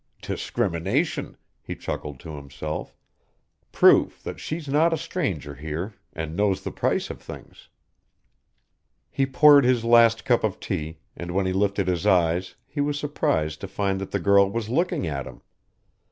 "Discrimination," he chuckled to himself. "Proof that she's not a stranger here, and knows the price of things." He poured his last half cup of tea and when he lifted his eyes he was surprised to find that the girl was looking at him.